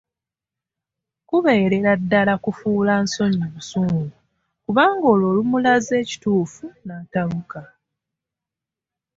Kubeerera ddala kufuula nsonyi busungu kubanga olwo olumulaze ekituufu n'atabuka.